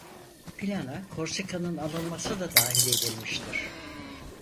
Plana Korsika'nın alınması da dahil edilmiştir.